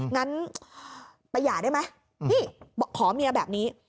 งั้นประหย่าได้ไหมขอเมียแบบนี้